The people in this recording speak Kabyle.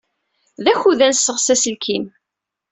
D akud ad nesseɣsi aselkim.